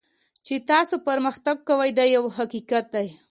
چې تاسو پرمختګ کوئ دا یو حقیقت دی.